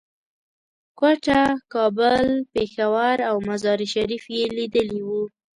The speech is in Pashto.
کوټه، کابل، پېښور او مزار شریف یې لیدلي وو.